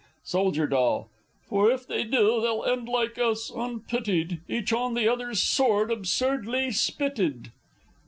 _ Soldier D. For, if they do, they'll end like us, unpitied, Each on the other's sword absurdly spitted!